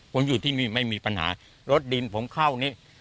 ผมอยู่ที่นี่ไม่มีปัญหารถดินผมเข้านี่